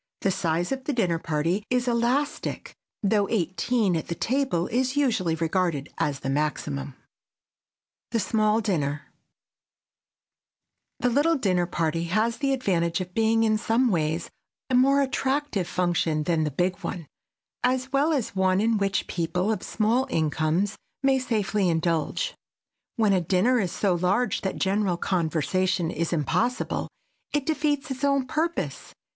The size of the dinner party is elastic, though eighteen at the table is usually regarded as the maximum. [Sidenote: THE SMALL DINNER] The little dinner party has the advantage of being in some ways a more attractive function than the big one, as well as one in which people of small incomes may safely indulge. When a dinner is so large that general conversation is impossible, it defeats its own purpose.